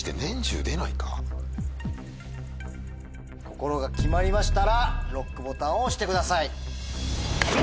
心が決まりましたらＬＯＣＫボタンを押してください。